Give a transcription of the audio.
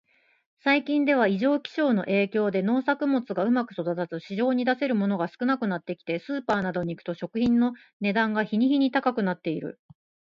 最近では、異常気象の影響で農作物がうまく育たず、市場に出せるものが少なくなってきて、スーパーなどに行くと食品の値段が日に日に高くなっている。